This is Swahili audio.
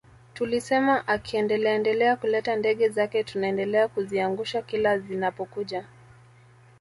Tulisema akiendeleaendelea kuleta ndege zake tutaendelea kuziangusha kila zinapokuja